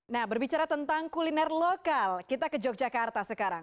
nah berbicara tentang kuliner lokal kita ke yogyakarta sekarang